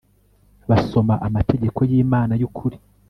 basoma amategeko y Imana y ukuri